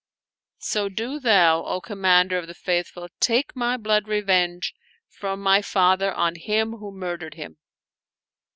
So do thou, O Commander of the Faithful, take my blood revenge from my father on him who murdered him."